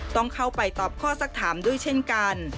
ต้องเข้าไปตอบข้อสักถามด้วยเช่นกัน